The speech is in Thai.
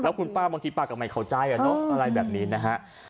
คุณป้าบางทีป้าก็ไม่เข้าใจอะไรแบบนี้นะฮะ